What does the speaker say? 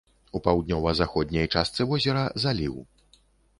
У паўднёва-заходняй частцы возера заліў.